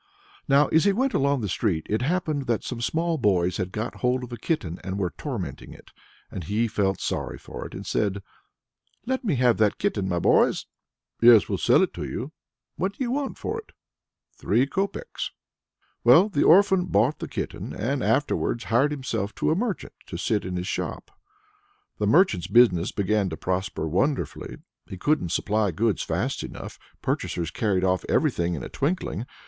Now as he went along the street, it happened that some small boys had got hold of a kitten and were tormenting it. And he felt sorry for it, and said: "Let me have that kitten, my boys?" "Yes, we'll sell it you." "What do you want for it?" "Three copecks." Well the orphan bought the kitten, and afterwards hired himself to a merchant, to sit in his shop. That merchant's business began to prosper wonderfully. He couldn't supply goods fast enough; purchasers carried off everything in a twinkling.